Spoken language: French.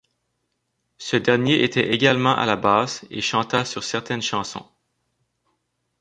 Ce dernier était également à la basse et chanta sur certaines chansons.